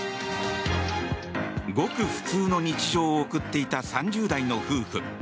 ごく普通の日常を送っていた３０代の夫婦。